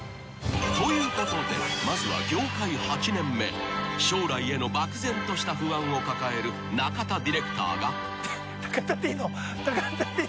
［ということでまずは業界８年目将来への漠然とした不安を抱える中田ディレクターが］